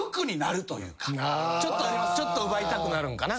ちょっと奪いたくなるんかな。